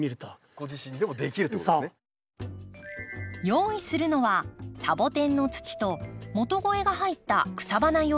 用意するのはサボテンの土と元肥が入った草花用培養土。